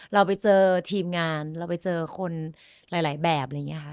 เราไปเจอทีมงานเราไปเจอคนหลายแบบอะไรอย่างนี้ค่ะ